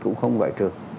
cũng không phải